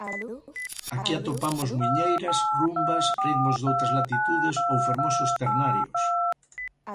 Aquí atopamos muiñeiras, rumbas, ritmos doutras latitudes ou fermosos ternarios.